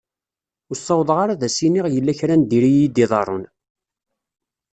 Ur sawḍeɣ ara ad as-iniɣ yella kra n diri iyi-d-iḍerrun.